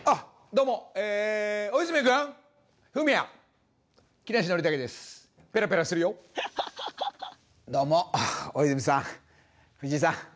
どうも大泉さん藤井さん。